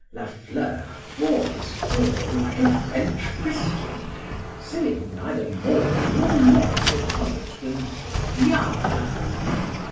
La Fleur bore his fall like a French Christian, saying neither more nor less upon it, than Diable!